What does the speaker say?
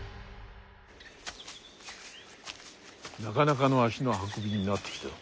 なかなかの足の運びになってきた。